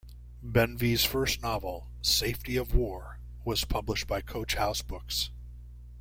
Benvie's first novel, "Safety of War", was published by Coach House Books.